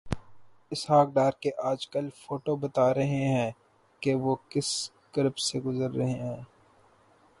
اسحاق ڈار کے آج کل کے فوٹوبتا رہے ہیں کہ وہ کس کرب سے گزر رہے ہیں۔